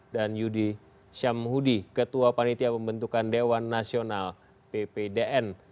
dan yudi syamhudi ketua panitia pembentukan dewan nasional bpdn